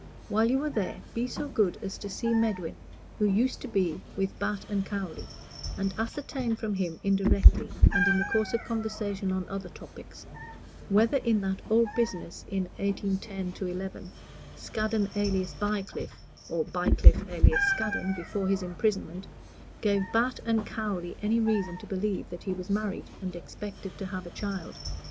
While you are there, be so good as to see Medwin, who used to be with Batt & Cowley, and ascertain from him indirectly, and in the course of conversation on other topics, whether in that old business in 1810 11, Scaddon alias Bycliffe, or Bycliffe alias Scaddon, before his imprisonment, gave Batt & Cowley any reason to believe that he was married and expected to have a child.